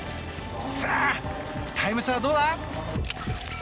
タイム差はどうだ。